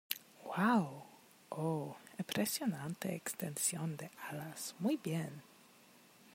¡ Uau! Oh, impresionante extensión de alas. ¡ muy bien !